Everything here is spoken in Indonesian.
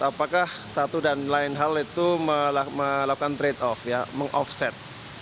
apakah satu dan lain hal itu melakukan trade off ya meng offset